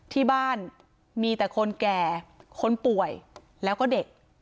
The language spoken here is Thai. ที่บ้านมีแต่คนแก่คนป่วยแล้วก็เด็ก